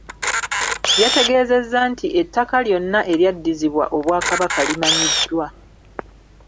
Yategeezezza nti ettaka lyonna eryaddizibwa Obwakabaka limanyiddwa.